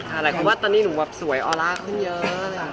อะไรเพราะว่าตอนนี้หนูสวยออร่าขึ้นเยอะ